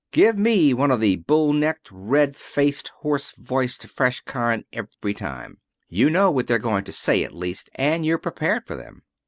Give me one of the bull necked, red faced, hoarse voiced, fresh kind every time. You know what they're going to say, at least, and you're prepared for them.